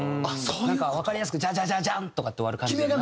わかりやすくジャジャジャジャンとかって終わる感じじゃない。